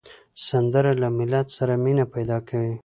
سندره له ملت سره مینه پیدا کوي